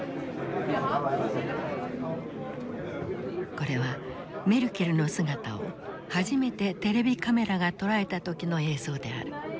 これはメルケルの姿を初めてテレビカメラが捉えた時の映像である。